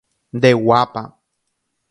Ndeguápa.